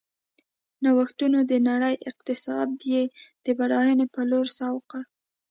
نوښتونو د نړۍ اقتصاد یې د بډاینې په لور سوق کړ.